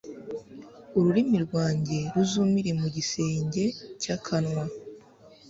ururimi rwanjye ruzumire mu gisenge cy'akanwa